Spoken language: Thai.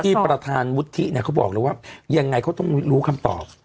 ที่ประธานวุฒิเขาบอกแล้วว่ายังไงเขาต้องรู้คำตอบ